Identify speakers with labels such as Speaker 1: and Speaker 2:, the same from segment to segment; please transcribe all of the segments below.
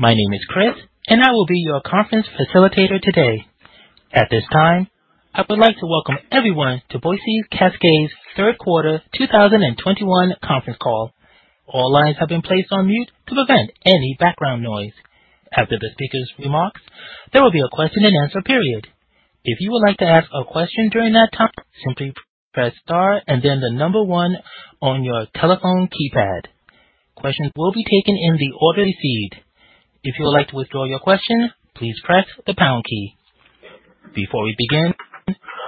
Speaker 1: My name is Chris, and I will be your conference facilitator today. At this time, I would like to welcome everyone to Boise Cascade's Third Quarter 2021 Conference Call. All lines have been placed on mute to prevent any background noise. After the speaker's remarks, there will be a question-and-answer period. If you would like to ask a question during that time, simply press star and then the number one on your telephone keypad. Questions will be taken in the order received. If you would like to withdraw your question, please press the pound key. Before we begin,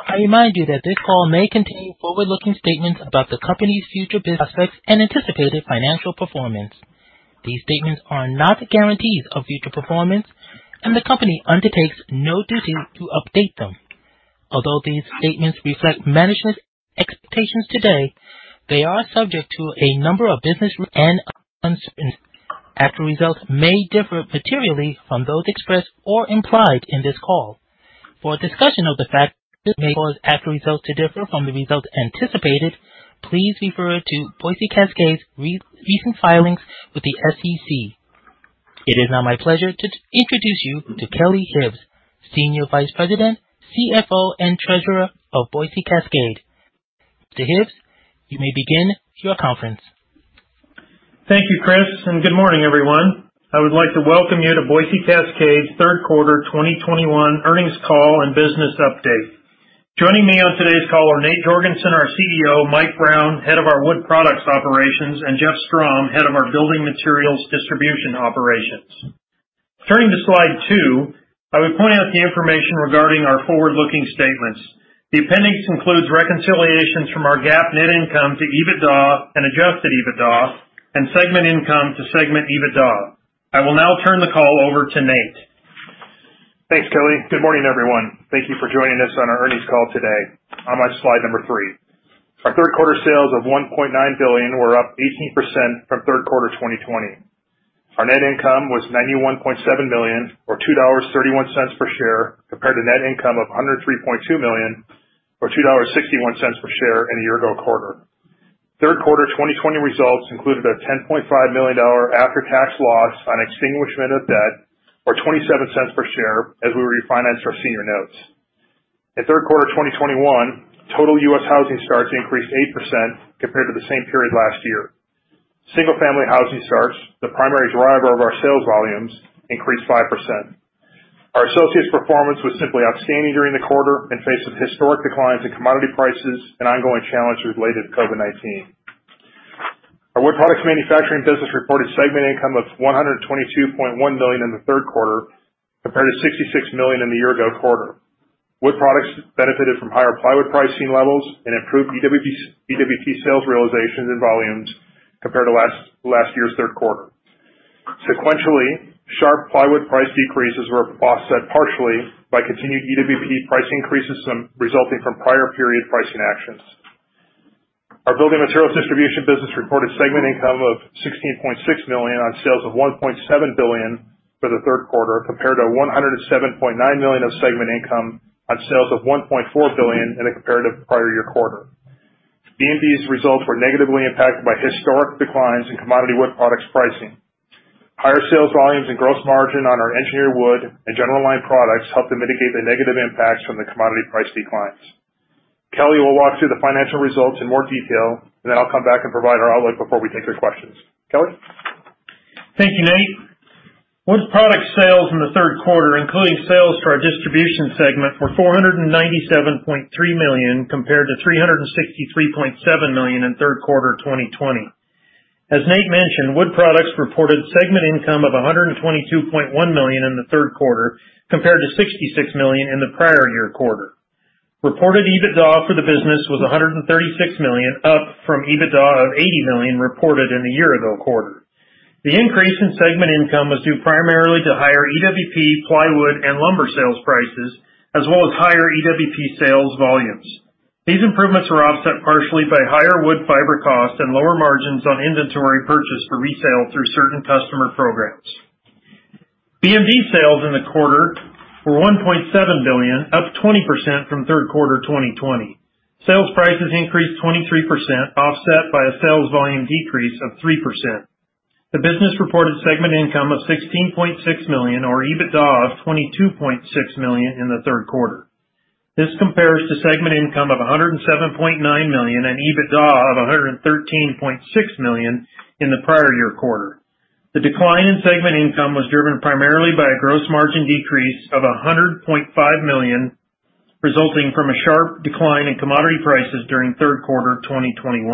Speaker 1: I remind you that this call may contain forward-looking statements about the company's future business effects and anticipated financial performance. These statements are not guarantees of future performance, and the company undertakes no duty to update them. Although these statements reflect management expectations today, they are subject to a number of business risks and uncertainties. Actual results may differ materially from those expressed or implied in this call. For a discussion of the factors that may cause actual results to differ from the results anticipated, please refer to Boise Cascade's recent filings with the SEC. It is now my pleasure to introduce you to Kelly Hibbs, Senior Vice President, CFO, and Treasurer of Boise Cascade. Mr. Hibbs, you may begin your conference.
Speaker 2: Thank you, Chris, and good morning, everyone. I would like to welcome you to Boise Cascade's Third Quarter 2021 Earnings Call and Business Update. Joining me on today's call are Nate Jorgensen, our CEO, Mike Brown, head of our Wood Products operations, and Jeff Strom, head of our Building Materials Distribution operations. Turning to slide 2, I would point out the information regarding our forward-looking statements. The appendix includes reconciliations from our GAAP net income to EBITDA and adjusted EBITDA and segment income to segment EBITDA. I will now turn the call over to Nate.
Speaker 3: Thanks, Kelly. Good morning, everyone. Thank you for joining us on our earnings call today. I'm on slide number three. Our third quarter sales of $1.9 billion were up 18% from third quarter 2020. Our net income was $91.7 million, or $2.31 per share, compared to net income of $103.2 million or $2.61 per share in the year-ago quarter. Third quarter 2020 results included a $10.5 million after-tax loss on extinguishment of debt or $0.27 per share as we refinanced our senior notes. In third quarter 2021, total U.S. housing starts increased 8% compared to the same period last year. Single-family housing starts, the primary driver of our sales volumes, increased 5%. Our associates' performance was simply outstanding during the quarter, faced with historic declines in commodity prices and ongoing challenges related to COVID-19. Our Wood Products manufacturing business reported segment income of $122.1 million in the third quarter, compared to $66 million in the year ago quarter. Wood Products benefited from higher plywood pricing levels and improved EWP sales realizations and volumes compared to last year's third quarter. Sequentially, sharp plywood price decreases were offset partially by continued EWP price increases resulting from prior period pricing actions. Our Building Materials Distribution business reported segment income of $16.6 million on sales of $1.7 billion for the third quarter, compared to $107.9 million of segment income on sales of $1.4 billion in the comparative prior year quarter. BMD's results were negatively impacted by historic declines in commodity wood products pricing. Higher sales volumes and gross margin on our engineered wood and general line products helped to mitigate the negative impacts from the commodity price declines. Kelly will walk through the financial results in more detail, and then I'll come back and provide our outlook before we take your questions. Kelly?
Speaker 2: Thank you, Nate. Wood Products sales in the third quarter, including sales to our distribution segment, were $497.3 million, compared to $363.7 million in third quarter 2020. As Nate mentioned, Wood Products reported segment income of $122.1 million in the third quarter, compared to $66 million in the prior year quarter. Reported EBITDA for the business was $136 million, up from EBITDA of $80 million reported in the year-ago quarter. The increase in segment income was due primarily to higher EWP plywood and lumber sales prices as well as higher EWP sales volumes. These improvements were offset partially by higher wood fiber costs and lower margins on inventory purchased for resale through certain customer programs. BMD sales in the quarter were $1.7 billion, up 20% from third quarter 2020. Sales prices increased 23%, offset by a sales volume decrease of 3%. The business reported segment income of $16.6 million or EBITDA of $22.6 million in the third quarter. This compares to segment income of $107.9 million and EBITDA of $113.6 million in the prior year quarter. The decline in segment income was driven primarily by a gross margin decrease of $100.5 million, resulting from a sharp decline in commodity prices during third quarter 2021.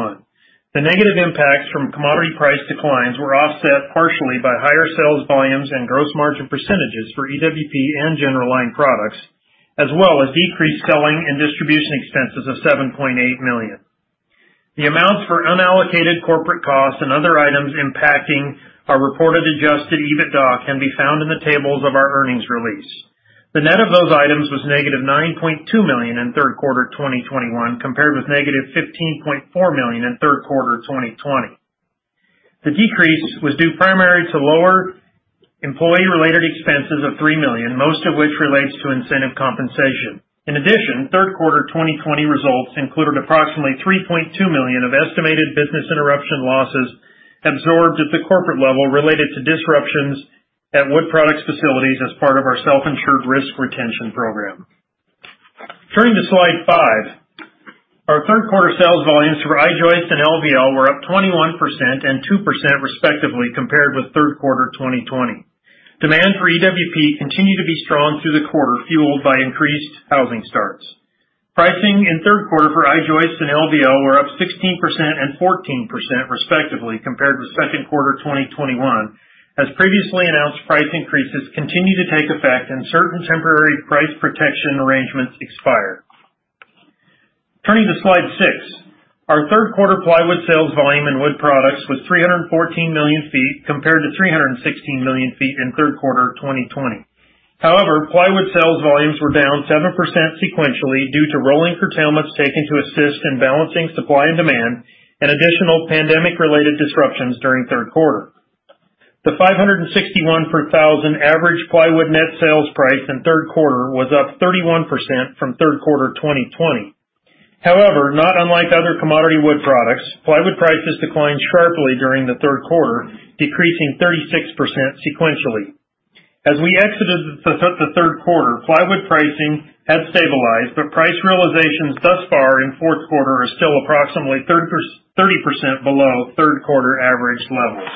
Speaker 2: The negative impacts from commodity price declines were offset partially by higher sales volumes and gross margin percentages for EWP and general line products, as well as decreased selling and distribution expenses of $7.8 million. The amounts for unallocated corporate costs and other items impacting our reported adjusted EBITDA can be found in the tables of our earnings release. The net of those items was -$9.2 million in third quarter 2021, compared with -$15.4 million in third quarter 2020. The decrease was due primarily to lower employee-related expenses of $3 million, most of which relates to incentive compensation. In addition, third quarter 2020 results included approximately $3.2 million of estimated business interruption losses absorbed at the corporate level related to disruptions at Wood Products facilities as part of our self-insured risk retention program. Turning to Slide five. Our third quarter sales volumes for I-Joist and LVL were up 21% and 2% respectively compared with third quarter 2020. Demand for EWP continued to be strong through the quarter, fueled by increased housing starts. Pricing in third quarter for I-Joist and LVL were up 16% and 14% respectively compared with second quarter 2021. As previously announced, price increases continue to take effect and certain temporary price protection arrangements expire. Turning to Slide six. Our third quarter plywood sales volume in Wood Products was 314 million feet compared to 316 million ft in third quarter 2020. However, plywood sales volumes were down 7% sequentially due to rolling curtailments taken to assist in balancing supply and demand and additional pandemic-related disruptions during third quarter. The $561 per thousand average plywood net sales price in third quarter was up 31% from third quarter 2020. However, not unlike other commodity wood products, plywood prices declined sharply during the third quarter, decreasing 36% sequentially. As we exited the third quarter, plywood pricing has stabilized, but price realizations thus far in fourth quarter are still approximately 30% below third quarter average levels.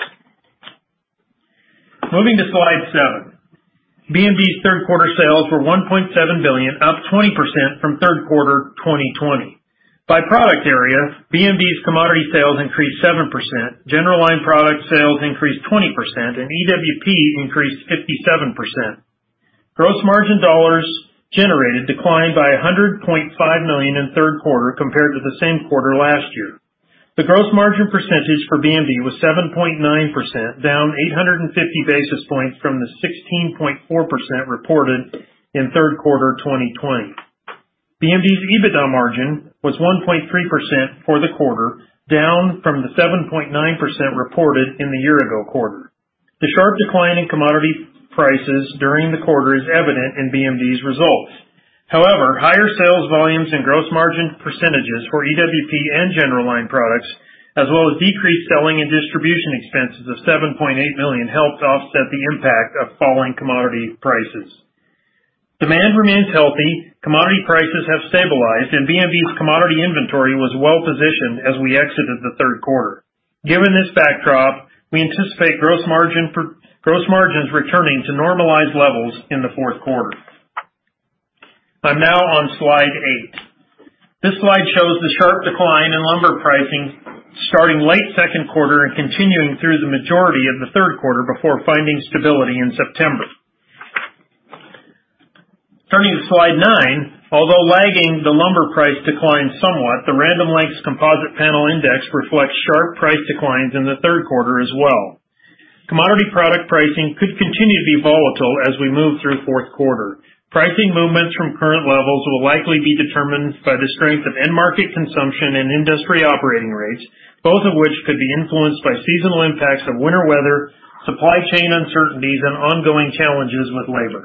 Speaker 2: Moving to slide seven. BMD's third quarter sales were $1.7 billion, up 20% from third quarter 2020. By product area, BMD's commodity sales increased 7%, general line product sales increased 20%, and EWP increased 57%. Gross margin dollars generated declined by $100.5 million in third quarter compared to the same quarter last year. The gross margin percentage for BMD was 7.9%, down 850 basis points from the 16.4% reported in third quarter 2020. BMD's EBITDA margin was 1.3% for the quarter, down from the 7.9% reported in the year-ago quarter. The sharp decline in commodity prices during the quarter is evident in BMD's results. However, higher sales volumes and gross margin percentages for EWP and general line products, as well as decreased selling and distribution expenses of $7.8 million, helped offset the impact of falling commodity prices. Demand remains healthy, commodity prices have stabilized, and BMD's commodity inventory was well-positioned as we exited the third quarter. Given this backdrop, we anticipate gross margins returning to normalized levels in the fourth quarter. I'm now on Slide eight. This slide shows the sharp decline in lumber pricing starting late second quarter and continuing through the majority of the third quarter before finding stability in September. Turning to Slide nine. Although lagging the lumber price decline somewhat, the Random Lengths composite panel index reflects sharp price declines in the third quarter as well. Commodity product pricing could continue to be volatile as we move through fourth quarter. Pricing movements from current levels will likely be determined by the strength of end market consumption and industry operating rates, both of which could be influenced by seasonal impacts of winter weather, supply chain uncertainties, and ongoing challenges with labor.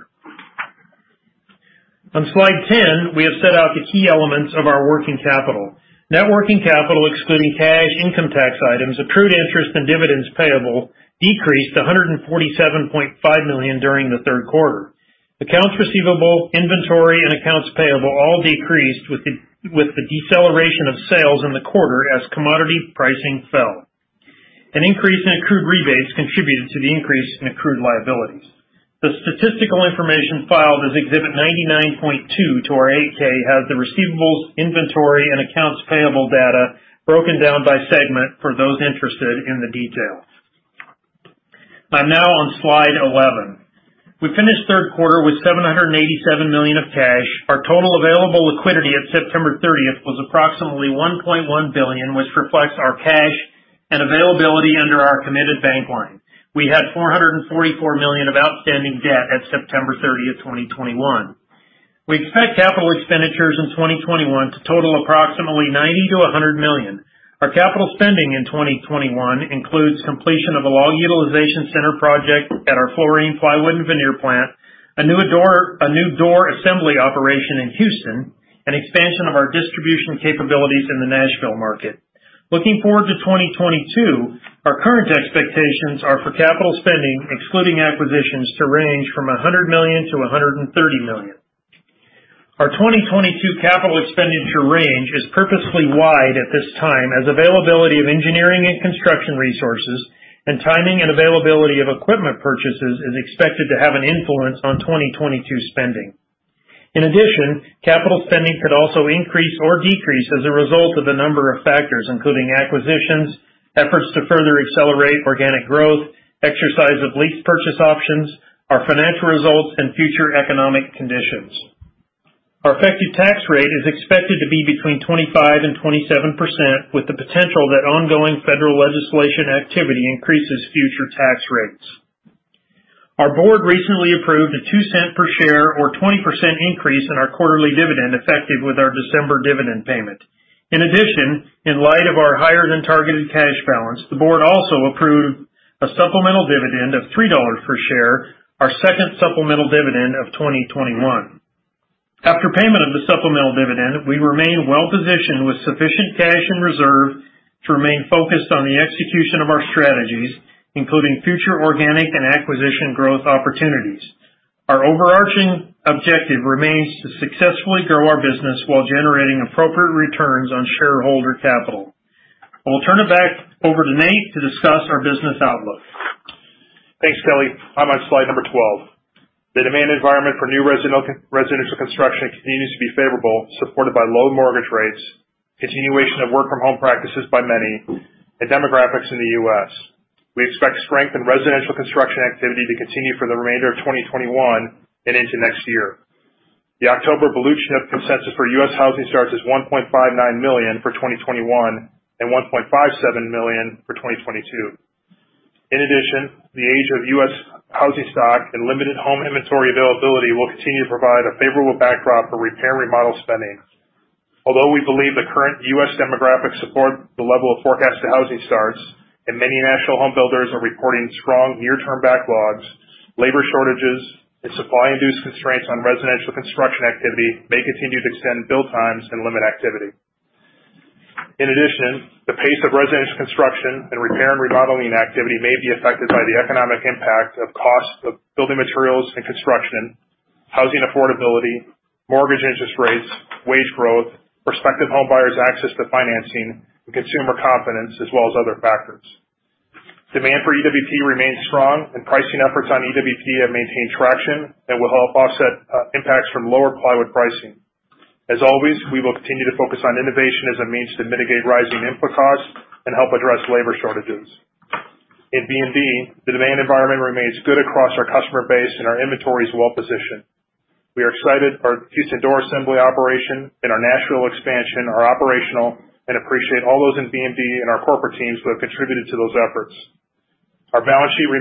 Speaker 2: On Slide 10, we have set out the key elements of our working capital. Net working capital, excluding cash, income tax items, accrued interes,t and dividends payable, decreased to $147.5 million during the third quarter. Accounts receivable, inventory, and accounts payable all decreased with the deceleration of sales in the quarter as commodity pricing fell. An increase in accrued rebates contributed to the increase in accrued liabilities. The statistical information filed as Exhibit 99.2 to our 8-K has the receivables, inventory, and accounts payable data broken down by segment for those interested in the details. I'm now on Slide 11. We finished third quarter with $787 million of cash. Our total available liquidity at September 30th was approximately $1.1 billion, which reflects our cash and availability under our committed bank line. We had $444 million of outstanding debt at September 30th, 2021. We expect capital expenditures in 2021 to total approximately $90 million-$100 million. Our capital spending in 2021 includes completion of a log utilization center project at our Florien Plywood and Veneer plant, a new door assembly operation in Houston, and expansion of our distribution capabilities in the Nashville market. Looking forward to 2022, our current expectations are for capital spending, excluding acquisitions, to range from $100 million-$130 million. Our 2022 capital expenditure range is purposefully wide at this time as availability of engineering and construction resources and timing and availability of equipment purchases is expected to have an influence on 2022 spending. In addition, capital spending could also increase or decrease as a result of a number of factors, including acquisitions, efforts to further accelerate organic growth, exercise of lease purchase options, our financial results, and future economic conditions. Our effective tax rate is expected to be between 25% and 27%, with the potential that ongoing federal legislation activity increases future tax rates. Our board recently approved a $0.02 per share or 20% increase in our quarterly dividend effective with our December dividend payment. In addition, in light of our higher than targeted cash balance, the Board also approved a supplemental dividend of $3 per share, our second supplemental dividend of 2021. After payment of the supplemental dividend, we remain well-positioned with sufficient cash and reserve, to remain focused on the execution of our strategies, including future organic and acquisition growth opportunities. Our overarching objective remains to successfully grow our business while generating appropriate returns on shareholder capital. I will turn it back over to Nate to discuss our business outlook.
Speaker 3: Thanks, Kelly. I'm on slide 12. The demand environment for new residential construction continues to be favorable, supported by low mortgage rates, continuation of work from home practices by many, and demographics in the U.S. We expect strength in residential construction activity to continue for the remainder of 2021 and into next year. The October Blue Chip consensus for U.S. housing starts is 1.59 million for 2021 and 1.57 million for 2022. In addition, the age of U.S. housing stock and limited home inventory availability will continue to provide a favorable backdrop for repair and remodel spending. Although we believe the current U.S. demographics support the level of forecasted housing starts, and many national home builders are reporting strong near-term backlogs, labor shortages and supply-induced constraints on residential construction activity may continue to extend build times and limit activity. In addition, the pace of residential construction and repair and remodeling activity may be affected by the economic impact of cost of building materials and construction, housing affordability, mortgage interest rates, wage growth, prospective home buyers' access to financing, and consumer confidence as well as other factors. Demand for EWP remains strong, and pricing efforts on EWP have maintained traction and will help offset impacts from lower plywood pricing. As always, we will continue to focus on innovation as a means to mitigate rising input costs and help address labor shortages. In BMD, the demand environment remains good across our customer base, and our inventory is well positioned. We are excited our Houston door assembly operation and our national expansion are operational and appreciate all those in BMD and our corporate teams who have contributed to those efforts. Our balance sheet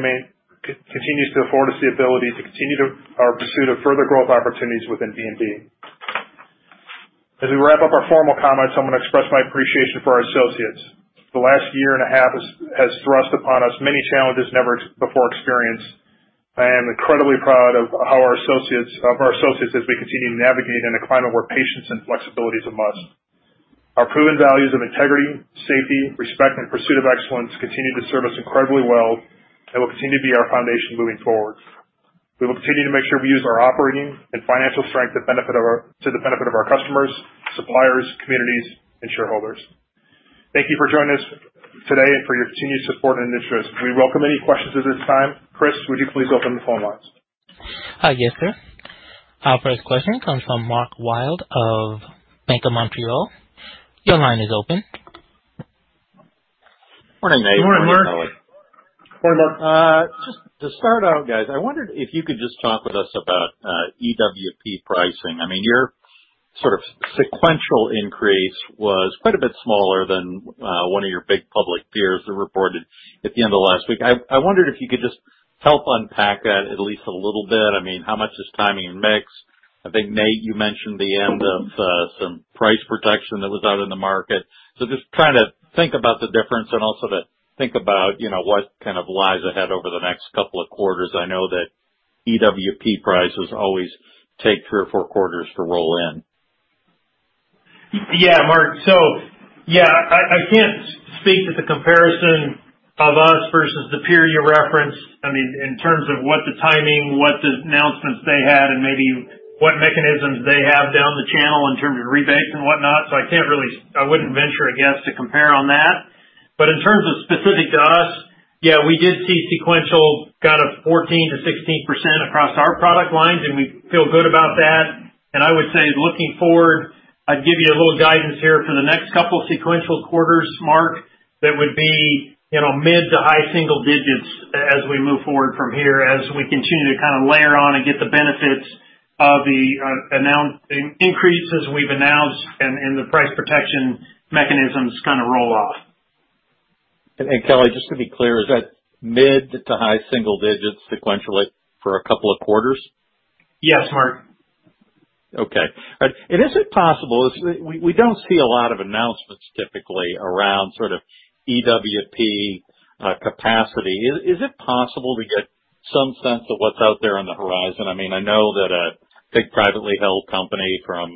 Speaker 3: continues to afford us the ability to continue our pursuit of further growth opportunities within BMD. As we wrap up our formal comments, I'm gonna express my appreciation for our associates. The last year and a half has thrust upon us many challenges never before experienced. I am incredibly proud of how our associates as we continue to navigate in a climate where patience and flexibility is a must. Our proven values of integrity, safety, respect, and pursuit of excellence continue to serve us incredibly well and will continue to be our foundation moving forward. We will continue to make sure we use our operating and financial strength to the benefit of our customers, suppliers, communities, and shareholders. Thank you for joining us today and for your continued support and interest. We welcome any questions at this time. Chris, would you please open the phone lines?
Speaker 1: Yes, sir. Our first question comes from Mark Wilde of Bank of Montreal. Your line is open.
Speaker 4: Morning, Nate.
Speaker 3: Morning, Mark.
Speaker 5: Morning, Mark.
Speaker 4: Just to start out, guys, I wondered if you could just talk with us about EWP pricing. I mean, your sort of sequential increase was quite a bit smaller than one of your big public peers who reported at the end of last week. I wondered if you could just help unpack that at least a little bit. I mean, how much is timing and mix? I think, Nate, you mentioned the end of some price protection that was out in the market. Just trying to think about the difference and also to think about, you know, what kind of lies ahead over the next couple of quarters. I know that EWP prices always take three or four quarters to roll in.
Speaker 3: Yeah, Mark. Yeah, I can't speak to the comparison of us versus the peer you referenced. I mean, in terms of what the timing, what the announcements they had, and maybe what mechanisms they have down the channel in terms of rebates and whatnot. I can't really. I wouldn't venture a guess to compare on that. In terms of specific to us, yeah, we did see sequential kind of 14%-16% across our product lines, and we feel good about that. I would say looking forward, I'd give you a little guidance here for the next couple sequential quarters, Mark, that would be, you know, mid to high single digits as we move forward from here, as we continue to kind of layer on and get the benefits of the announced increases we've announced and the price protection mechanisms kind of roll off.
Speaker 4: Kelly, just to be clear, is that mid to high single digits sequentially for a couple of quarters?
Speaker 3: Yes, Mark.
Speaker 4: Okay. Is it possible? We don't see a lot of announcements typically around sort of EWP capacity. Is it possible to get some sense of what's out there on the horizon? I mean, I know that a big privately held company from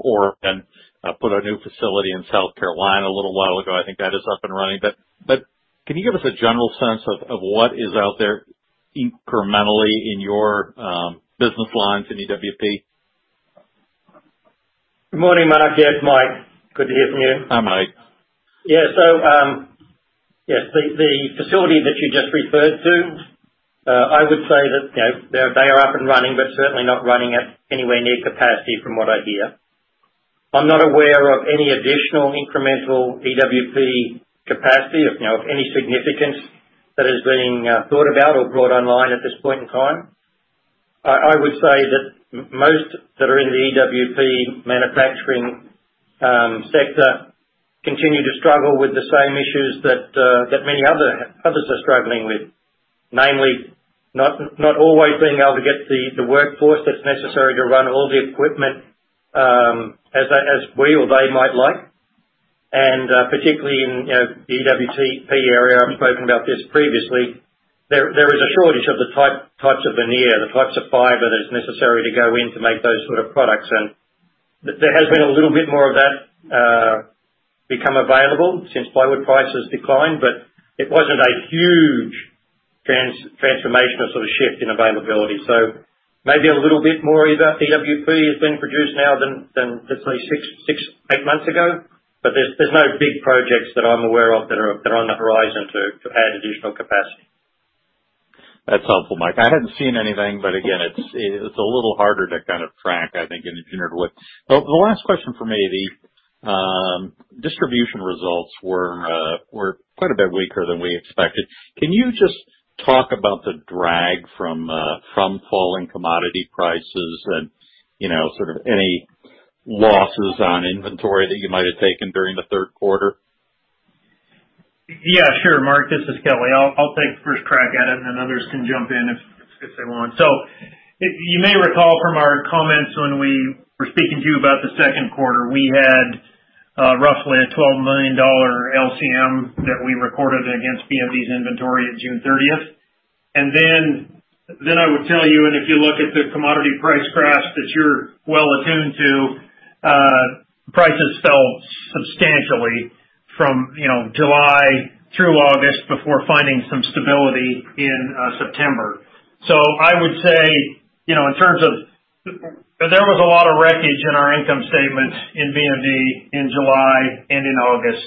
Speaker 4: Oregon put a new facility in South Carolina a little while ago. I think that is up and running. But can you give us a general sense of what is out there incrementally in your business lines in EWP?
Speaker 5: Good morning, Mark. Yes, Mike. Good to hear from you.
Speaker 4: Hi, Mike.
Speaker 5: The facility that you just referred to, I would say that, you know, they are up and running, but certainly not running at anywhere near capacity from what I hear. I'm not aware of any additional incremental EWP capacity of any significance that is being thought about or brought online at this point in time. I would say that most that are in the EWP manufacturing sector continue to struggle with the same issues that many others are struggling with. Namely, not always being able to get the workforce that's necessary to run all the equipment, as we or they might like. Particularly in the EWP area, I've spoken about this previously. There is a shortage of the types of veneer, the types of fiber that's necessary to go in to make those sort of products. There has been a little bit more of that has become available since plywood prices declined, but it wasn't a huge transformation or sort of shift in availability. Maybe a little bit more EWP is being produced now than let's say six to eight months ago, but there's no big projects that I'm aware of that are on the horizon to add additional capacity.
Speaker 4: That's helpful, Mike. I hadn't seen anything, but again, it's a little harder to kind of track, I think, in engineered wood. The last question from me, the distribution results were quite a bit weaker than we expected. Can you just talk about the drag from falling commodity prices and, you know, sort of any losses on inventory that you might have taken during the third quarter?
Speaker 2: Yeah, sure. Mark, this is Kelly. I'll take the first crack at it, and then others can jump in if they want. You may recall from our comments when we were speaking to you about the second quarter, we had roughly a $12 million LCM that we recorded against BMD's inventory at June 30th. Then I would tell you, and if you look at the commodity price crash that you're well attuned to, prices fell substantially from July through August before finding some stability in September. I would say there was a lot of wreckage in our income statement in BMD in July and in August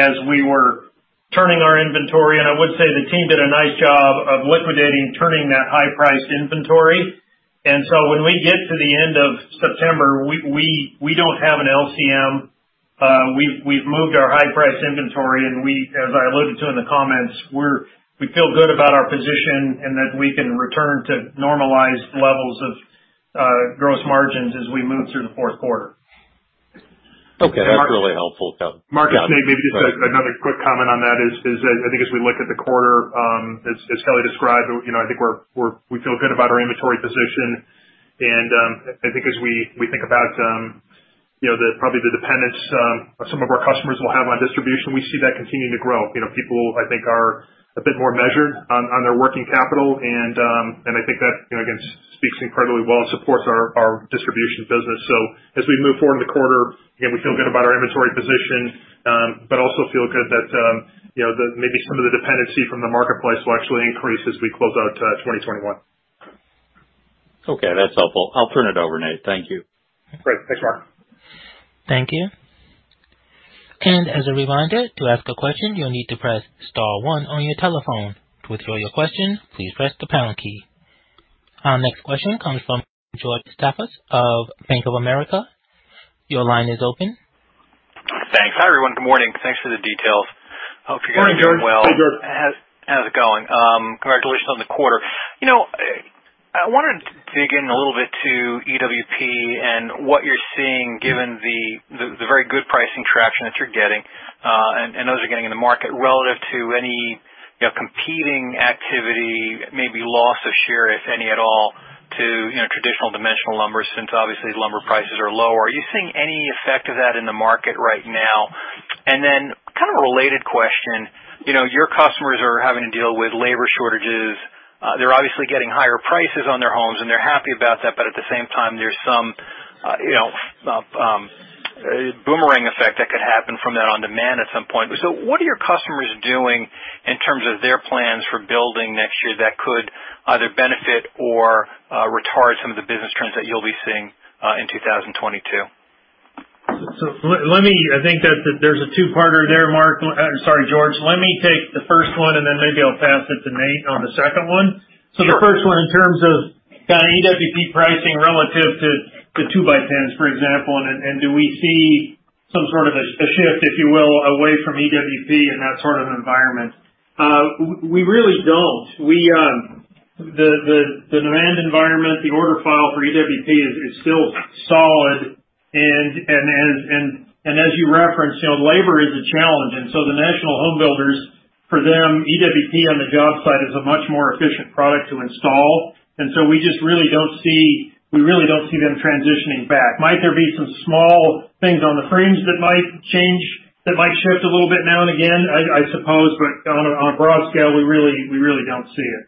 Speaker 2: as we were turning our inventory. I would say the team did a nice job of liquidating, turning that high priced inventory. When we get to the end of September, we don't have an LCM. We've moved our high price inventory and, as I alluded to in the comments, we feel good about our position and that we can return to normalized levels of gross margins as we move through the fourth quarter.
Speaker 4: Okay. That's really helpful, Kelly.
Speaker 3: Mark, maybe just another quick comment on that. I think as we look at the quarter, as Kelly described, you know, I think we feel good about our inventory position. I think as we think about, you know, probably the dependence some of our customers will have on distribution, we see that continuing to grow. You know, people I think are a bit more measured on their working capital. I think that, you know, again, speaks incredibly well and supports our distribution business. As we move forward in the quarter, again, we feel good about our inventory position, but also feel good that, you know, maybe some of the dependency from the marketplace will actually increase as we close out 2021.
Speaker 4: Okay, that's helpful. I'll turn it over, Nate. Thank you.
Speaker 3: Great. Thanks, Mark.
Speaker 1: Thank you. As a reminder, to ask a question, you'll need to press star one on your telephone. To withdraw your question, please press the pound key. Our next question comes from George Staphos of Bank of America. Your line is open.
Speaker 6: Thanks. Hi, everyone. Good morning. Thanks for the details. Hope you're doing well.
Speaker 3: Morning, George.
Speaker 2: Hey, George.
Speaker 6: How's it going? Congratulations on the quarter. You know, I wanted to dig in a little bit to EWP and what you're seeing given the very good pricing traction that you're getting, and others are getting in the market relative to any, you know, competing activity, maybe loss of share, if any at all, to, you know, traditional dimensional lumber since obviously lumber prices are lower. Are you seeing any effect of that in the market right now? Then kind of a related question, you know, your customers are having to deal with labor shortages. They're obviously getting higher prices on their homes, and they're happy about that, but at the same time, there's some, you know, a boomerang effect that could happen from that on demand at some point. What are your customers doing in terms of their plans for building next year that could either benefit or retard some of the business trends that you'll be seeing in 2022?
Speaker 2: Let me. I think that there's a two-parter there, Mark. Sorry, George. Let me take the first one, and then maybe I'll pass it to Nate on the second one.
Speaker 6: Sure.
Speaker 2: The first one in terms of kind of EWP pricing relative to two by 10s, for example, and do we see some sort of a shift, if you will, away from EWP in that sort of environment? We really don't. The demand environment, the order file for EWP is still solid. As you referenced, you know, labor is a challenge. The national home builders, for them, EWP on the job site is a much more efficient product to install. We really don't see them transitioning back. Might there be some small things on the frames that might change, that might shift a little bit now and again? I suppose, but on a broad scale, we really don't see it.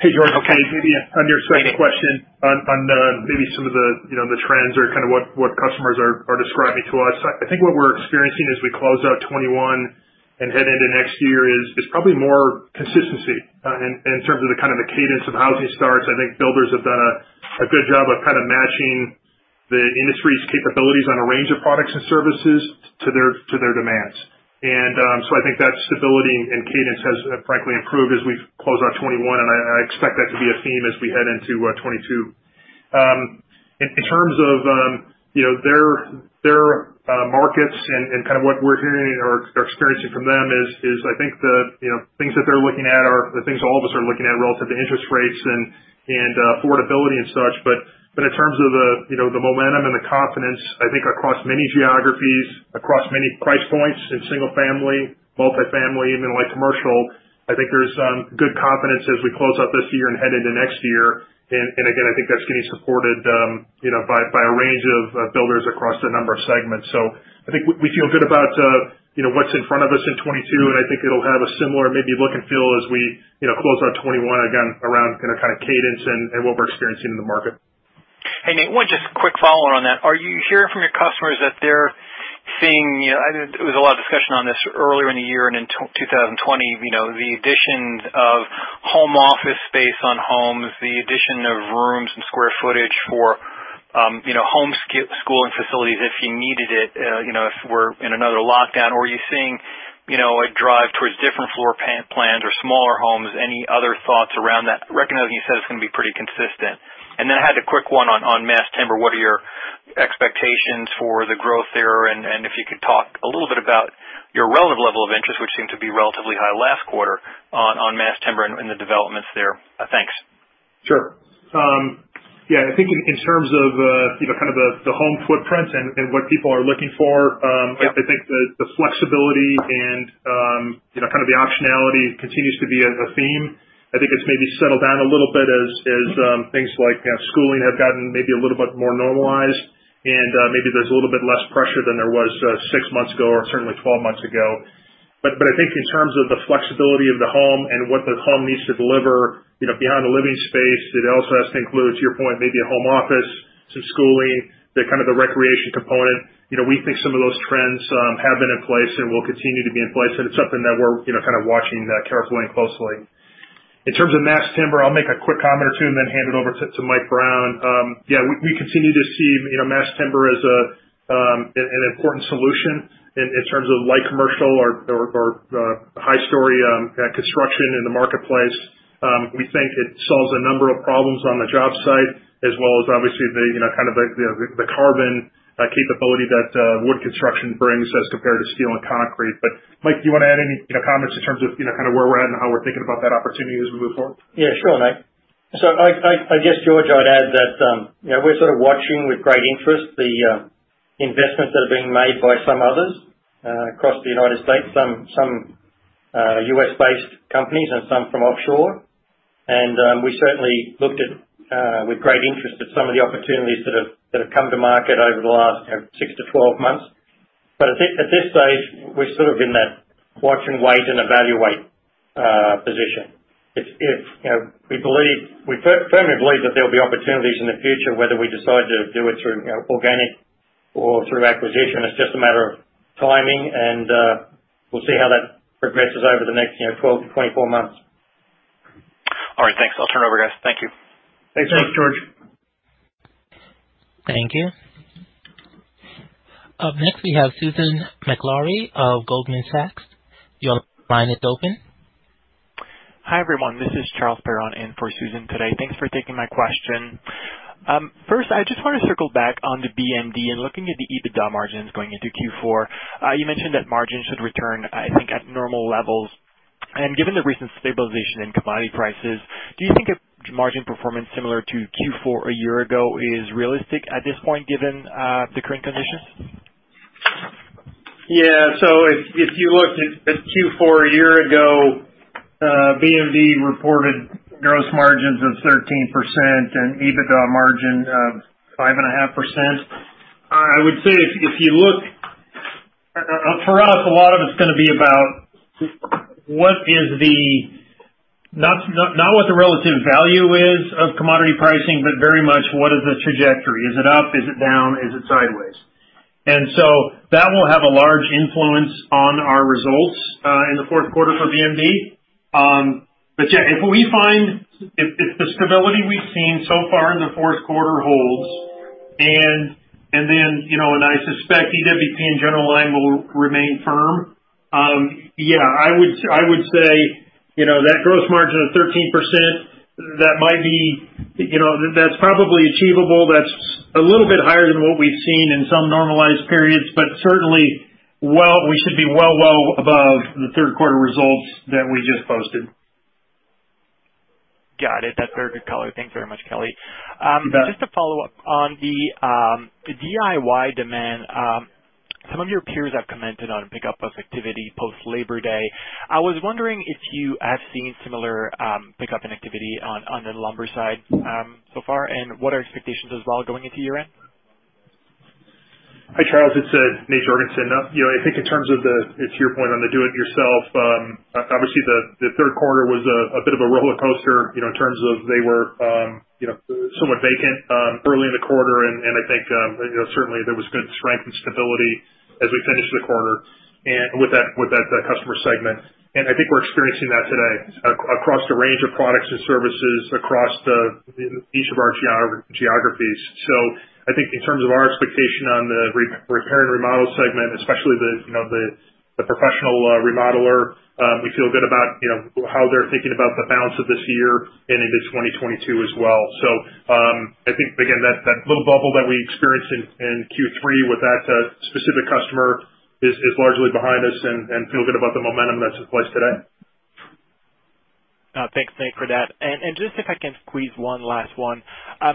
Speaker 3: Hey, George.
Speaker 6: Okay.
Speaker 3: Maybe on your second question on maybe some of the, you know, the trends or kind of what customers are describing to us. I think what we're experiencing as we close out 2021 and head into next year is probably more consistency in terms of the kind of the cadence of housing starts. I think builders have done a good job of kind of matching the industry's capabilities on a range of products and services to their demands. I think that stability and cadence has frankly improved as we've closed out 2021, and I expect that to be a theme as we head into 2022. In terms of, you know, their markets and kind of what we're hearing or experiencing from them is, I think, the, you know, things that they're looking at are the things all of us are looking at relative to interest rates and affordability and such. In terms of the, you know, the momentum and the confidence, I think across many geographies, across many price points in single family, multifamily, even light commercial, I think there's good confidence as we close out this year and head into next year. Again, I think that's gonna be supported, you know, by a range of builders across a number of segments. I think we feel good about, you know, what's in front of us in 2022, and I think it'll have a similar maybe look and feel as we, you know, close out 2021 again around, you know, kind of cadence and what we're experiencing in the market.
Speaker 6: Hey, Nate, one just quick follow-on on that. Are you hearing from your customers that they're seeing, you know? There was a lot of discussion on this earlier in the year and into 2020, you know, the addition of home office space on homes, the addition of rooms and square footage for, you know, home schooling facilities if you needed it, you know, if we're in another lockdown. Or are you seeing, you know, a drive towards different floor plans or smaller homes? Any other thoughts around that? Recognizing you said it's gonna be pretty consistent. I had a quick one on mass timber. What are your expectations for the growth there? If you could talk a little bit about your relative level of interest, which seemed to be relatively high last quarter on mass timber and the developments there. Thanks.
Speaker 3: Sure. Yeah, I think in terms of, you know, kind of the home footprints and what people are looking for.
Speaker 6: Yeah
Speaker 3: I think the flexibility and, you know, kind of the optionality continues to be a theme. I think it's maybe settled down a little bit as things like, you know, schooling have gotten maybe a little bit more normalized and, maybe there's a little bit less pressure than there was, six months ago, or certainly 12 months ago. I think in terms of the flexibility of the home and what the home needs to deliver, you know, beyond the living space, it also has to include, to your point, maybe a home office, some schooling, the kind of the recreation component. You know, we think some of those trends have been in place and will continue to be in place, and it's something that we're, you know, kind of watching carefully and closely. In terms of mass timber, I'll make a quick comment or two and then hand it over to Mike Brown. Yeah, we continue to see, you know, mass timber as an important solution in terms of light commercial or high story construction in the marketplace. We think it solves a number of problems on the job site, as well as obviously the, you know, kind of the carbon capability that wood construction brings as compared to steel and concrete. Mike, do you wanna add any, you know, comments in terms of, you know, kind of where we're at and how we're thinking about that opportunity as we move forward?
Speaker 5: Yeah, sure, Nate. So I guess, George, I'd add that, you know, we're sort of watching with great interest the investments that are being made by some others across the United States, some U.S.-based companies and some from offshore. We certainly looked at with great interest at some of the opportunities that have come to market over the last, you know, six to 12 months. At this stage, we're sort of in that watch and wait and evaluate position. It's, you know, we believe, we firmly believe that there'll be opportunities in the future, whether we decide to do it through, you know, organic or through acquisition. It's just a matter of timing, and we'll see how that progresses over the next, you know, 12-24 months.
Speaker 6: All right. Thanks. I'll turn it over, guys. Thank you.
Speaker 3: Thanks, George.
Speaker 5: Thanks, George.
Speaker 1: Thank you. Up next, we have Susan Maklari of Goldman Sachs. Your line is open.
Speaker 7: Hi, everyone. This is Charles Perron-Piché in for Susan today. Thanks for taking my question. First, I just wanna circle back on the BMD and looking at the EBITDA margins going into Q4. You mentioned that margins should return, I think, at normal levels. Given the recent stabilization in commodity prices, do you think a margin performance similar to Q4 a year ago is realistic at this point, given the current conditions?
Speaker 2: Yeah. If you looked at Q4 a year ago, BMD reported gross margins of 13% and EBITDA margin of 5.5%. I would say if you look for us, a lot of it's gonna be about not what the relative value is of commodity pricing, but very much what is the trajectory? Is it up? Is it down? Is it sideways? That will have a large influence on our results in the fourth quarter for BMD. But yeah, if we find... If the stability we've seen so far in the fourth quarter holds and then, you know, and I suspect EWP and General Line will remain firm, I would say, you know, that gross margin of 13% that might be, you know, that's probably achievable. That's a little bit higher than what we've seen in some normalized periods, but certainly we should be well above the third quarter results that we just posted.
Speaker 7: Got it. That's very good color. Thanks very much, Kelly.
Speaker 2: You bet.
Speaker 7: Just to follow up on the DIY demand, some of your peers have commented on a pickup of activity post Labor Day. I was wondering if you have seen similar pickup in activity on the lumber side so far, and what are expectations as well going into year-end?
Speaker 3: Hi, Charles, it's Nate Jorgensen. You know, I think in terms of, to your point on the do it yourself, obviously the third quarter was a bit of a rollercoaster, you know, in terms of they were somewhat soft early in the quarter. I think, you know, certainly there was good strength and stability as we finished the quarter and with that customer segment. I think we're experiencing that today across a range of products and services, across each of our geographies. I think in terms of our expectation on the repair and remodel segment, especially, you know, the professional remodeler, we feel good about, you know, how they're thinking about the balance of this year and into 2022 as well. I think again, that little bubble that we experienced in Q3 with that specific customer is largely behind us and feel good about the momentum that's in place today.
Speaker 7: Thanks, Nate, for that. Just if I can squeeze one last one.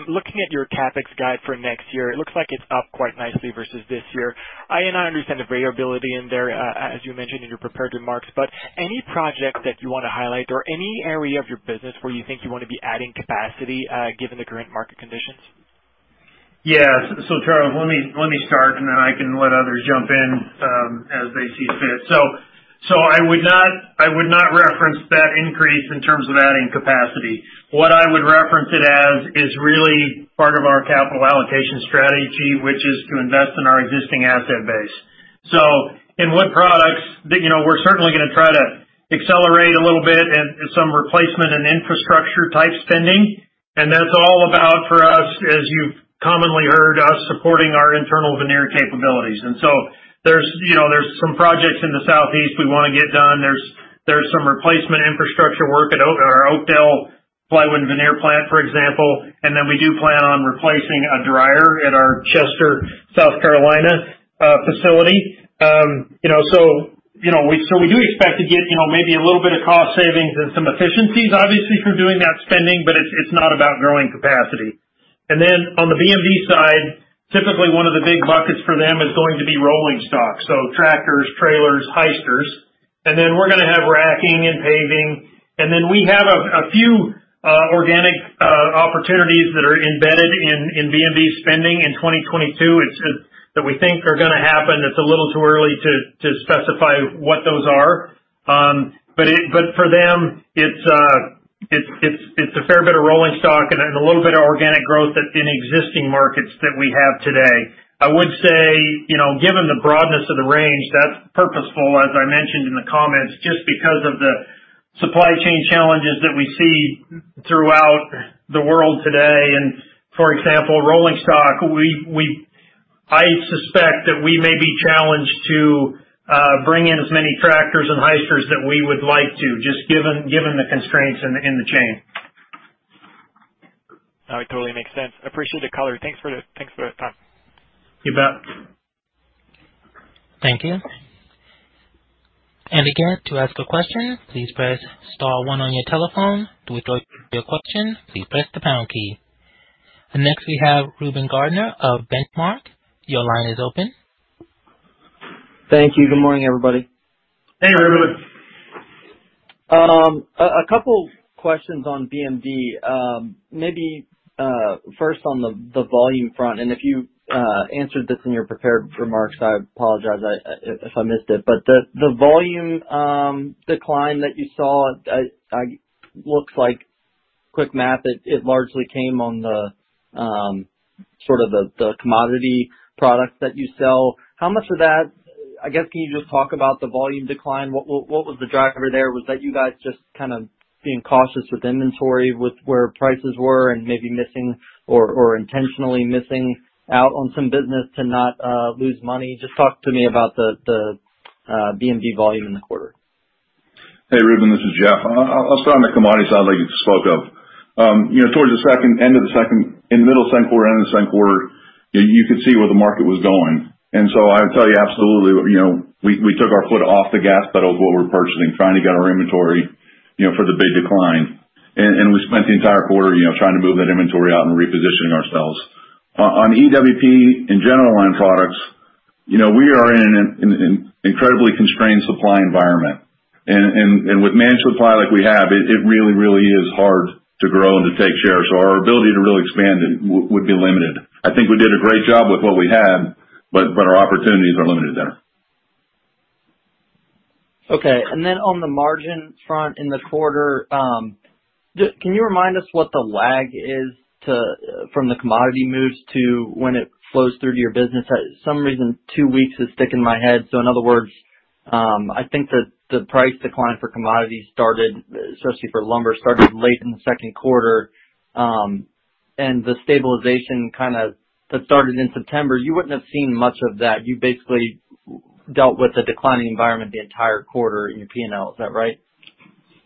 Speaker 7: Looking at your CapEx guide for next year, it looks like it's up quite nicely versus this year. You know, I understand the variability in there, as you mentioned in your prepared remarks, but any projects that you wanna highlight or any area of your business where you think you wanna be adding capacity, given the current market conditions?
Speaker 2: Yeah. Charles, let me start and then I can let others jump in, as they see fit. I would not reference that increase in terms of adding capacity. What I would reference it as is really part of our capital allocation strategy, which is to invest in our existing asset base. In what products? You know, we're certainly gonna try to accelerate a little bit in some replacement and infrastructure type spending. That's all about for us, as you've commonly heard us supporting our internal veneer capabilities. There's, you know, some projects in the Southeast we wanna get done. There's some replacement infrastructure work at our Oakdale plywood and veneer plant, for example. We do plan on replacing a dryer at our Chester, South Carolina, facility. We do expect to get, you know, maybe a little bit of cost savings and some efficiencies obviously from doing that spending, but it's not about growing capacity. Then on the BMD side, typically one of the big buckets for them is going to be rolling stock, so tractors, trailers, hysters. Then we're gonna have racking and paving. Then we have a few organic opportunities that are embedded in BMD spending in 2022. It's that we think are gonna happen. It's a little too early to specify what those are. But for them, it's a fair bit of rolling stock and a little bit of organic growth in existing markets that we have today. I would say, you know, given the broadness of the range, that's purposeful, as I mentioned in the comments, just because of the supply chain challenges that we see throughout the world today. For example, rolling stock, I suspect that we may be challenged to bring in as many tractors and Hyster that we would like to, just given the constraints in the chain.
Speaker 7: No, it totally makes sense. Appreciate the color. Thanks for the time.
Speaker 2: You bet.
Speaker 1: Thank you. Next, we have Reuben Garner of Benchmark. Your line is open.
Speaker 8: Thank you. Good morning, everybody.
Speaker 2: Hey, Reuben.
Speaker 8: A couple questions on BMD. Maybe first on the volume front, and if you answered this in your prepared remarks, I apologize if I missed it. The volume decline that you saw, looks like quick math, it largely came on the sort of the commodity products that you sell. How much of that, I guess, can you just talk about the volume decline? What was the driver there? Was that you guys just kind of being cautious with inventory, with where prices were and maybe missing or intentionally missing out on some business to not lose money? Just talk to me about the BMD volume in the quarter.
Speaker 9: Hey, Reuben. This is Jeff. I'll start on the commodity side like you just spoke of. You know, towards the end of the second quarter, you could see where the market was going. I would tell you, absolutely, you know, we took our foot off the gas pedal of what we're purchasing, trying to get our inventory, you know, for the big decline. We spent the entire quarter, you know, trying to move that inventory out and repositioning ourselves. On EWP and general line products, you know, we are in an incredibly constrained supply environment. With managed supply like we have, it really is hard to grow and to take share. Our ability to really expand it would be limited. I think we did a great job with what we had, but our opportunities are limited there.
Speaker 8: Okay. Then on the margin front in the quarter, can you remind us what the lag is to, from the commodity moves to when it flows through to your business? For some reason, two weeks is sticking in my head. In other words, I think that the price decline for commodities started, especially for lumber, late in the second quarter, and the stabilization kind of that started in September, you wouldn't have seen much of that. You basically dealt with the declining environment the entire quarter in your P&L. Is that right?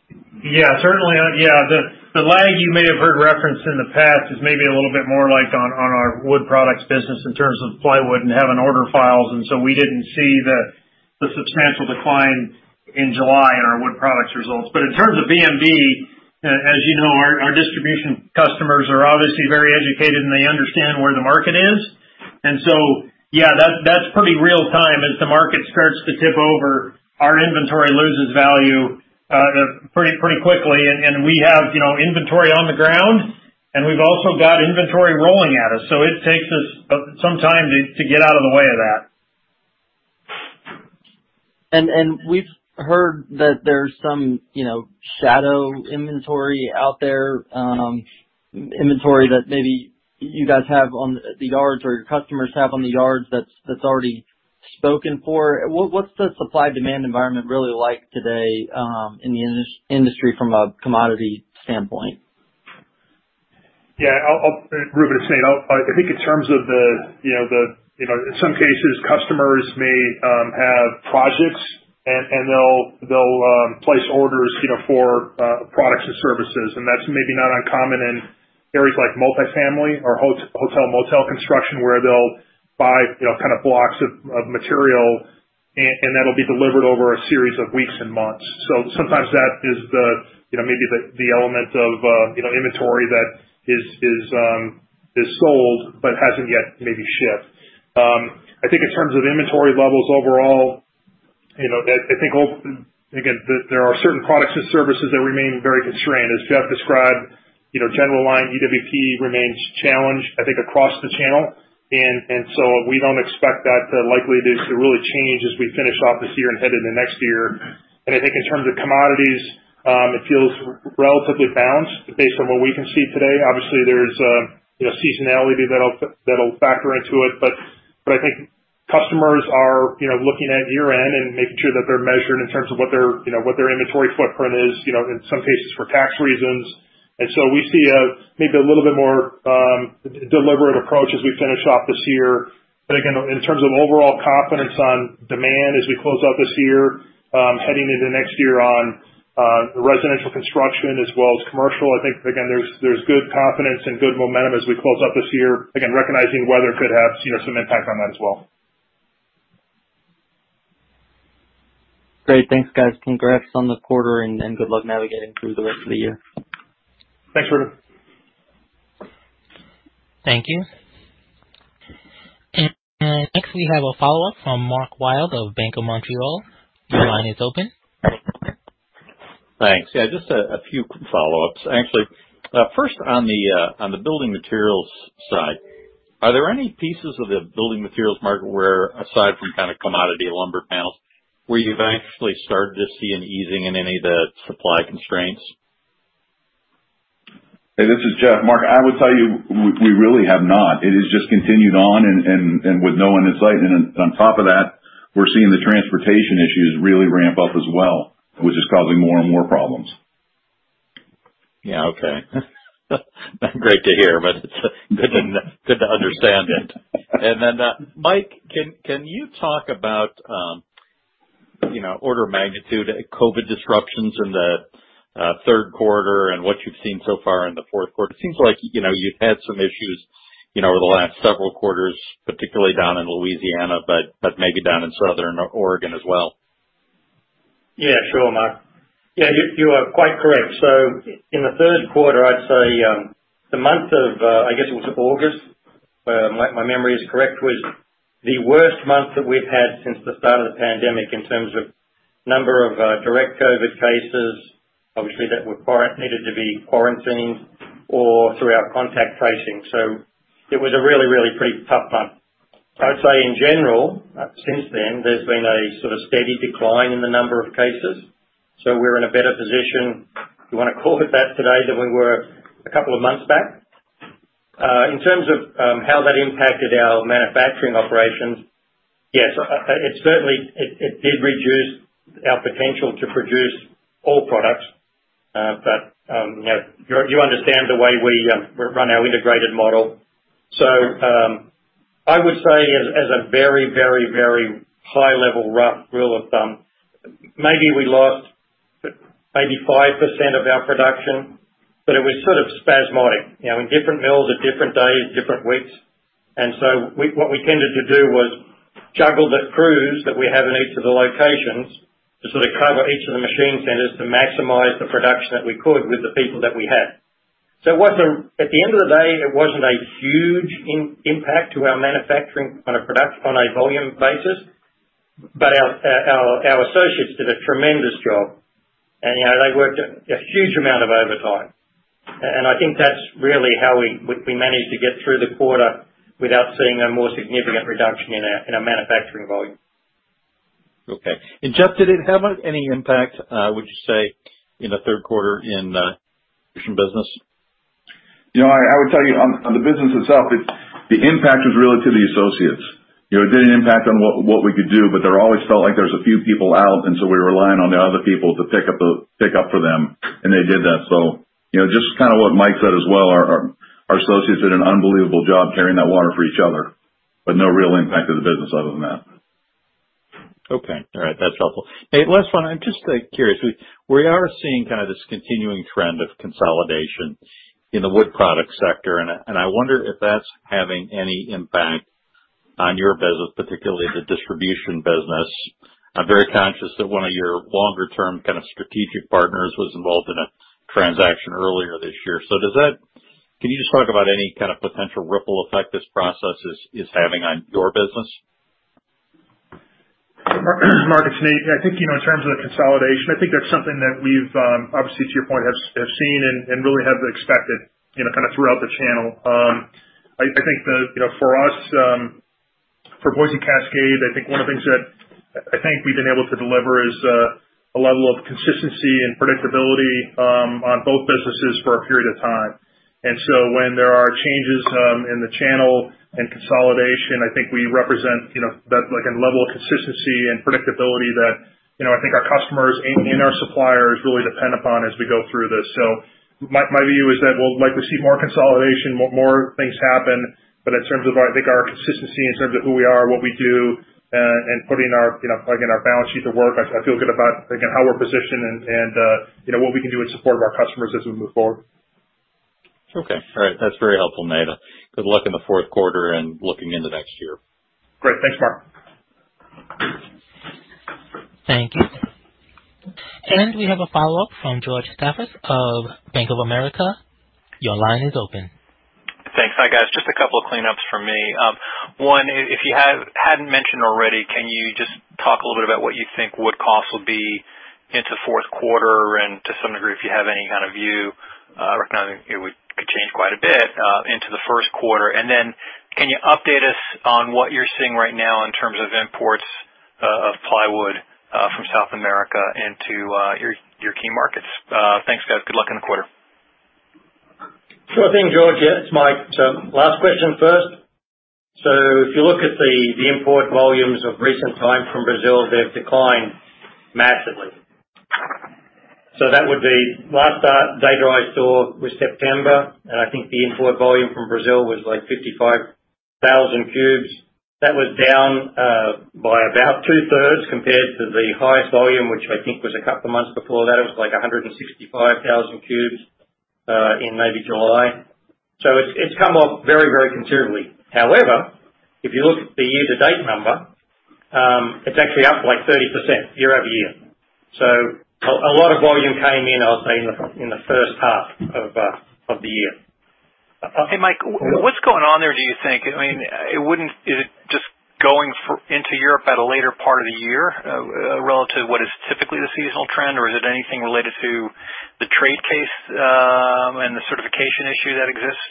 Speaker 2: Yeah, certainly. Yeah. The lag you may have heard referenced in the past is maybe a little bit more like on our Wood Products business in terms of plywood and having order files. We didn't see the substantial decline in July in our Wood Products results. In terms of BMD, as you know, our distribution customers are obviously very educated, and they understand where the market is. Yeah, that's pretty real time. As the market starts to tip over, our inventory loses value pretty quickly. And we have you know inventory on the ground, and we've also got inventory rolling at us. It takes us some time to get out of the way of that.
Speaker 8: We've heard that there's some, you know, shadow inventory out there, inventory that maybe you guys have on the yards or your customers have on the yards that's already spoken for. What's the supply-demand environment really like today, in the industry from a commodity standpoint?
Speaker 3: Yeah. Reuben, it's Nate. I'll think in terms of the, you know, in some cases, customers may have projects and they'll place orders, you know, for products and services. That's maybe not uncommon in areas like multifamily or hot-hotel/motel construction, where they'll buy, you know, kind of blocks of material and that'll be delivered over a series of weeks and months. Sometimes that is the, you know, maybe the element of inventory that is sold but hasn't yet maybe shipped. I think in terms of inventory levels overall, you know, I think all again, there are certain products and services that remain very constrained, as Jeff described. You know, generally, EWP remains challenged, I think, across the channel. We don't expect that likelihood to really change as we finish off this year and head into next year. I think in terms of commodities, it feels relatively balanced based on what we can see today. Obviously, there's seasonality that'll factor into it. I think customers are, you know, looking at year-end and making sure that they're measured in terms of what their, you know, inventory footprint is, you know, in some cases for tax reasons. We see maybe a little bit more deliberate approach as we finish off this year. Again, in terms of overall confidence on demand as we close out this year, heading into next year on residential construction as well as commercial, I think again, there's good confidence and good momentum as we close out this year. Again, recognizing weather could have, you know, some impact on that as well.
Speaker 8: Great. Thanks, guys. Congrats on the quarter and good luck navigating through the rest of the year.
Speaker 3: Thanks, Reuben.
Speaker 1: Thank you. Next we have a follow-up from Mark Wilde of Bank of Montreal. Your line is open.
Speaker 4: Thanks. Yeah, just a few follow-ups. Actually, first on the building materials side, are there any pieces of the building materials market where aside from kind of commodity lumber panels, where you've actually started to see an easing in any of the supply constraints?
Speaker 9: Hey, this is Jeff. Mark, I would tell you, we really have not. It has just continued on and with no end in sight. On top of that, we're seeing the transportation issues really ramp up as well, which is causing more and more problems.
Speaker 4: Yeah. Okay. Not great to hear, but it's good to understand it. Then, Mike, can you talk about, you know, order of magnitude COVID disruptions in the third quarter and what you've seen so far in the fourth quarter? It seems like, you know, you've had some issues, you know, over the last several quarters, particularly down in Louisiana, but maybe down in Southern Oregon as well.
Speaker 5: Yeah. Sure, Mark. Yeah, you are quite correct. In the third quarter, I'd say, the month of, I guess it was August, my memory is correct, was the worst month that we've had since the start of the pandemic in terms of number of direct COVID cases, obviously, that needed to be quarantined or through our contact tracing. It was a really pretty tough month. I'd say in general, since then, there's been a sort of steady decline in the number of cases, so we're in a better position, if you wanna call it that, today than we were a couple of months back. In terms of how that impacted our manufacturing operations, yes, it certainly did reduce our potential to produce all products. You know, you understand the way we run our integrated model. I would say as a very high level rough rule of thumb, maybe we lost 5% of our production, but it was sort of spasmodic, you know, in different mills at different days, different weeks. What we tended to do was juggle the crews that we have in each of the locations to sort of cover each of the machine centers to maximize the production that we could with the people that we had. It wasn't a huge impact to our manufacturing on a volume basis. But our associates did a tremendous job. You know, they worked a huge amount of overtime. I think that's really how we managed to get through the quarter without seeing a more significant reduction in our manufacturing volume.
Speaker 4: Okay. Jeff, did it have any impact, would you say in the third quarter in BMD business?
Speaker 9: You know, I would tell you on the business itself, the impact was really to the associates. You know, it did an impact on what we could do, but there always felt like there's a few people out, and so we were relying on the other people to pick up for them, and they did that. You know, just kind of what Mike said as well, our associates did an unbelievable job carrying that water for each other, but no real impact to the business other than that.
Speaker 4: Okay. All right. That's helpful. Hey, last one. I'm just, like, curious. We are seeing kind of this continuing trend of consolidation in the wood product sector, and I wonder if that's having any impact on your business, particularly the distribution business. I'm very conscious that one of your longer term, kind of, strategic partners was involved in a transaction earlier this year. Does that. Can you just talk about any kind of potential ripple effect this process is having on your business?
Speaker 3: Mark, it's Nate. I think, you know, in terms of the consolidation, I think that's something that we've obviously to your point, have seen and really have expected, you know, kind of throughout the channel. I think. You know, for us, for Boise Cascade, I think one of the things that I think we've been able to deliver is a level of consistency and predictability on both businesses for a period of time. When there are changes in the channel and consolidation, I think we represent, you know, that, like a level of consistency and predictability that, you know, I think our customers and our suppliers really depend upon as we go through this. My view is that we'll likely see more consolidation, more things happen, but in terms of our, I think our consistency in terms of who we are, what we do, and you know, plugging our balance sheet to work, I feel good about, again, how we're positioned and, you know, what we can do in support of our customers as we move forward.
Speaker 4: Okay. All right. That's very helpful, Nate. Good luck in the fourth quarter and looking into next year.
Speaker 3: Great. Thanks, Mark.
Speaker 1: Thank you. We have a follow-up from George Staphos of Bank of America. Your line is open.
Speaker 6: Thanks. Hi, guys. Just a couple of cleanups from me. One, if you hadn't mentioned already, can you just talk a little bit about what you think wood costs will be into fourth quarter and to some degree, if you have any kind of view, recognizing it could change quite a bit, into the first quarter? Can you update us on what you're seeing right now in terms of imports of plywood from South America into your key markets? Thanks, guys. Good luck in the quarter.
Speaker 5: Sure thing, George. Yeah, it's Mike. Last question first. If you look at the import volumes in recent times from Brazil, they've declined massively. That would be the latest data I saw was September, and I think the import volume from Brazil was, like, 55,000 cubes. That was down by about two-thirds compared to the highest volume, which I think was a couple months before that. It was, like, 165,000 cubes in maybe July. It's come off very, very considerably. However, if you look at the year-to-date number, it's actually up, like, 30% year-over-year. A lot of volume came in, I would say, in the first half of the year.
Speaker 6: Hey, Mike. What's going on there, do you think? I mean, is it just going into Europe at a later part of the year relative to what is typically the seasonal trend? Or is it anything related to the trade case and the certification issue that exists,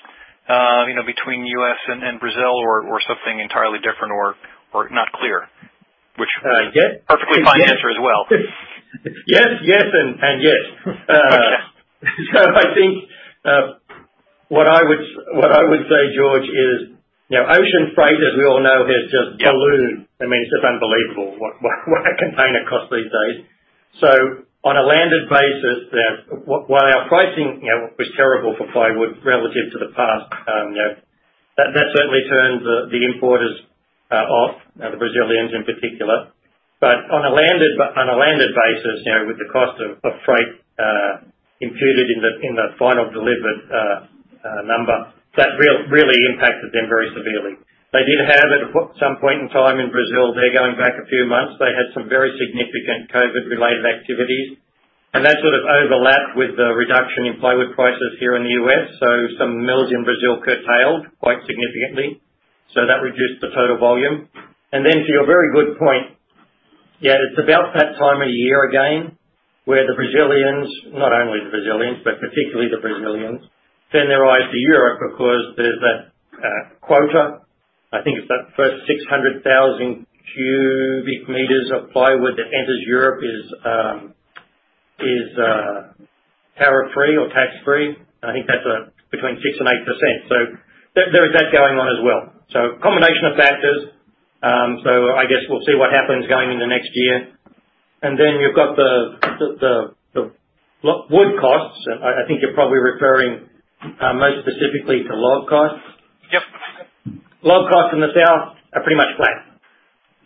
Speaker 6: you know, between U.S. and Brazil? Or something entirely different or not clear? Which-
Speaker 5: Yeah.
Speaker 6: Perfectly fine answer as well.
Speaker 5: Yes, and yes. I think what I would say, George, is you know, ocean freight, as we all know, has just ballooned. I mean, it's just unbelievable what a container costs these days. On a landed basis, while our pricing was terrible for plywood relative to the past, you know, that certainly turned the importers off, you know, the Brazilians in particular. But on a landed basis, you know, with the cost of freight imputed in the final delivered number, that really impacted them very severely. They did have some point in time in Brazil. They're going back a few months. They had some very significant COVID-related activities, and that sort of overlapped with the reduction in plywood prices here in the U.S., so some mills in Brazil curtailed quite significantly, so that reduced the total volume. Then to your very good point, yeah, it's about that time of year again, where the Brazilians, not only the Brazilians, but particularly the Brazilians, turn their eyes to Europe because there's that quota. I think it's that first 600,000 m³ of plywood that enters Europe is tariff-free or tax-free. I think that's between 6% and 8%. So there is that going on as well. So combination of factors. I guess we'll see what happens going into next year. You've got the wood costs. I think you're probably referring most specifically to log costs.
Speaker 6: Yep.
Speaker 5: Log costs in the south are pretty much flat,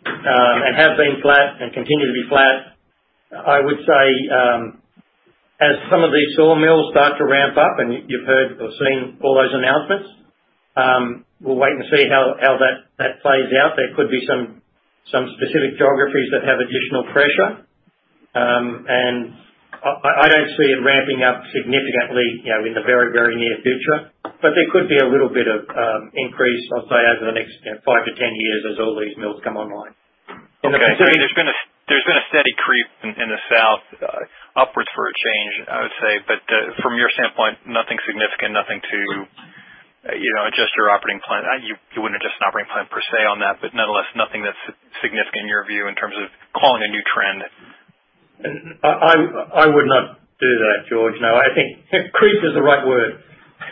Speaker 5: and have been flat and continue to be flat. I would say, as some of these sawmills start to ramp up, and you've heard or seen all those announcements, we'll wait and see how that plays out. There could be some specific geographies that have additional pressure. I don't see it ramping up significantly, you know, in the very, very near future. There could be a little bit of increase, I'll say, over the next, you know, five to 10 years as all these mills come online.
Speaker 6: Okay. There's been a steady creep in the south, upwards for a change, I would say. From your standpoint, nothing significant, nothing to, you know, adjust your operating plan. You wouldn't adjust an operating plan per se on that, but nonetheless nothing that's significant in your view in terms of calling a new trend.
Speaker 5: No, I would not do that, George, no. I think creep is the right word.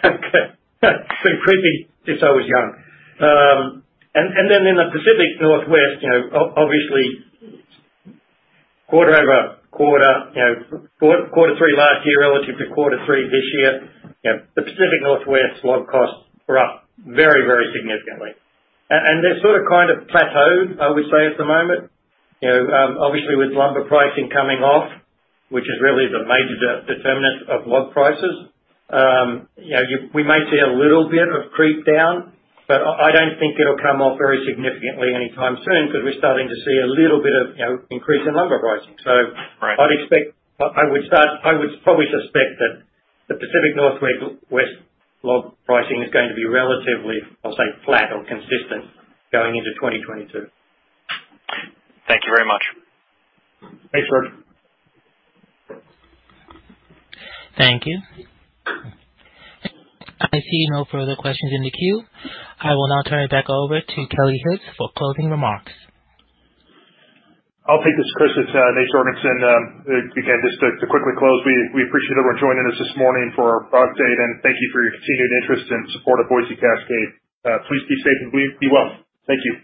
Speaker 5: It's been creeping since I was young. Then in the Pacific Northwest, you know, obviously, quarter-over-quarter, you know, quarter three last year relative to quarter three this year, you know, the Pacific Northwest log costs were up very significantly. They're sort of, kind of plateaued, I would say, at the moment. You know, obviously with lumber pricing coming off, which is really the major determinant of log prices, you know, we may see a little bit of creep down, but I don't think it'll come off very significantly anytime soon because we're starting to see a little bit of, you know, increase in lumber pricing, so.
Speaker 6: Right.
Speaker 5: I would probably suspect that the Pacific Northwest and Inland West log pricing is going to be relatively, I'll say, flat or consistent going into 2022.
Speaker 6: Thank you very much.
Speaker 5: Thanks, George.
Speaker 1: Thank you. I see no further questions in the queue. I will now turn it back over to Kelly Hibbs for closing remarks.
Speaker 3: I'll take this, Chris. It's Nate Jorgensen. Again, just to quickly close, we appreciate everyone joining us this morning for our product update, and thank you for your continued interest and support of Boise Cascade. Please be safe and be well. Thank you.